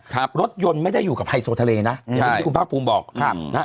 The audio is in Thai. รถยนต์ไม่ได้อยู่กับไฮโซทะเลนะอย่างที่คุณภาคภูมิบอกครับนะฮะ